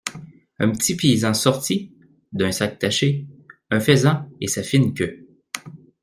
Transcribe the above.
Un petit paysan sortit, d'un sac taché, un faisan et sa fine queue.